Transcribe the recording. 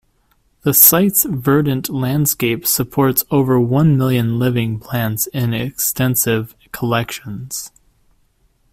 The site's verdant landscape supports over one million living plants in extensive collections.